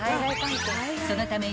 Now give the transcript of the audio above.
［そのため］